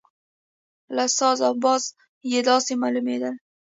له ساز او بازه یې داسې معلومېدل.